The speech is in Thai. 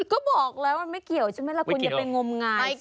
ก็บอกแล้วมันไม่เกี่ยวใช่ไหมล่ะคุณอย่าไปงมงาย